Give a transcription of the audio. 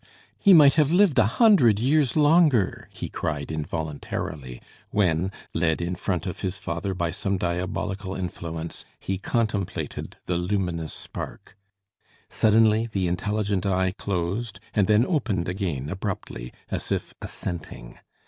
"He might have lived a hundred years longer!" he cried involuntarily when, led in front of his father by some diabolical influence, he contemplated the luminous spark. Suddenly the intelligent eye closed, and then opened again abruptly, as if assenting.